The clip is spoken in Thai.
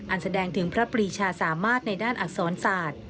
แสดงถึงพระปรีชาสามารถในด้านอักษรศาสตร์